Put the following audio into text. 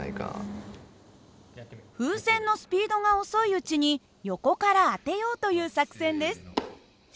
風船のスピードが遅いうちに横から当てようという作戦です。